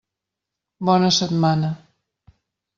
Bona setmana.